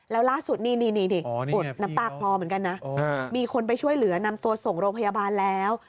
แล้วล่าสุดนี่อดน้ำตาคลอเหมือนกันนะมีคนไปช่วยเหลือนำตัวส่งโรงพยาบาลแล้ว